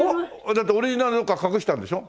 だってオリジナルはどこかに隠してあるんでしょ？